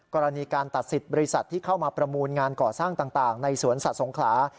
กรณีการตัดสิทธิ์บริษัทที่เข้ามาประมูลงานก่อสร้างต่างในสวนสัตว์สงขลา